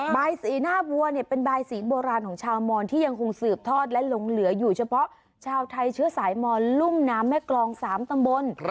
สีหน้าวัวเนี่ยเป็นบายสีโบราณของชาวมอนที่ยังคงสืบทอดและหลงเหลืออยู่เฉพาะชาวไทยเชื้อสายมอนลุ่มน้ำแม่กรอง๓ตำบล